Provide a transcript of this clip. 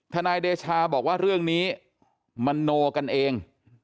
นายเดชาบอกว่าเรื่องนี้มโนกันเอง